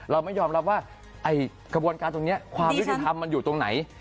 เราไม่ยอมรับว่ากระบวนการตรงนี้ความยุติธรรมมันอยู่ตรงไหน